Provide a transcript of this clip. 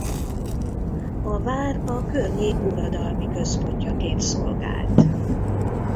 A vár a környék uradalmi központjaként szolgált.